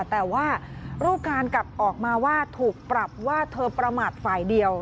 แต่ว่ารูปการณ์กลับออกมาว่าถูกปรับว่าเธอประมาทฝ่ายเดียว